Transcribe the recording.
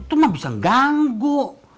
itu mah bisa ganggu